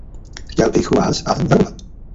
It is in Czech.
Chtěl bych vás ale varovat.